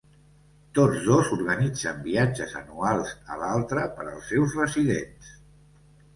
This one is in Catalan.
Tots dos organitzen viatges anuals a l'altre per als seus residents.